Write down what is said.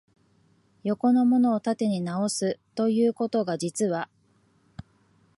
横のものを縦に直す、ということが、実は、